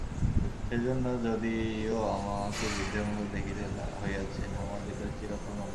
সেইজন্য, যদিও আমাকে বৃদ্ধের মতো দেখিতে হইয়াছে, আমার হৃদয় চিরকাল নবীন।